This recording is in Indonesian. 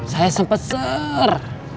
saya sempat serrrr